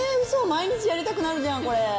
毎日やりたくなるじゃんこれ。